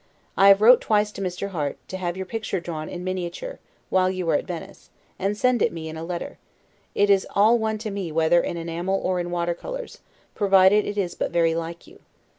I have wrote twice to Mr. Harte, to have your picture drawn in miniature, while you were at Venice; and send it me in a letter: it is all one to me whether in enamel or in watercolors, provided it is but very like you.